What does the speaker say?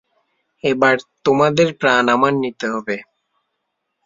এবার, তোমাদের প্রাণ আমার নিতে হবে।